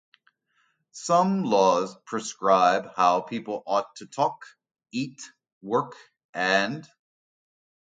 Some laws prescribe how people ought to talk, eat, work and